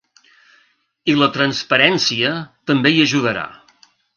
I la transparència també hi ajudarà.